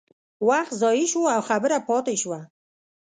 وخت ضایع شو او خبره پاتې شوه.